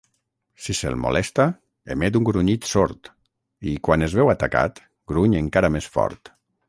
Si se'l molesta, emet un grunyit sord i, quan es veu atacat, gruny encara més fort.